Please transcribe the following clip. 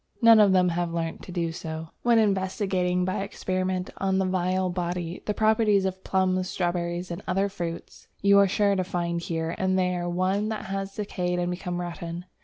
None of them have learnt to do so. When investigating by experiment, on the vile body, the properties of plums, strawberries, and other fruits, you are sure to find here and there one that has decayed and become rotten.